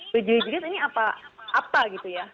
berjadinya ini apa gitu ya